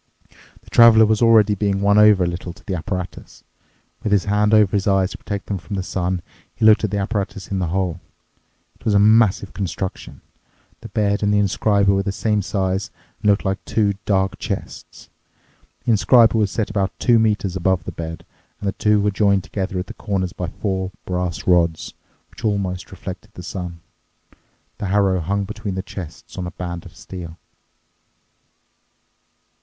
The Traveler was already being won over a little to the apparatus. With his hand over his eyes to protect them from the sun, he looked at the apparatus in the hole. It was a massive construction. The bed and the inscriber were the same size and looked like two dark chests. The inscriber was set about two metres above the bed, and the two were joined together at the corners by four brass rods, which almost reflected the sun. The harrow hung between the chests on a band of steel.